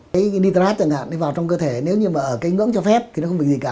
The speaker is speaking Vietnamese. cái g nitrate chẳng hạn đi vào trong cơ thể nếu như mà ở cái ngưỡng cho phép thì nó không bị gì cả